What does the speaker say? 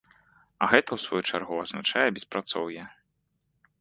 А гэта ў сваю чаргу азначае беспрацоўе.